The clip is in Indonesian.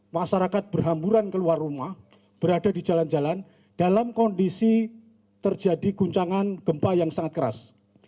masyarakat berhamburan keluar rumah berada di jalan jalan dalam kondisi terjadi guncangan gempa yang sangat keras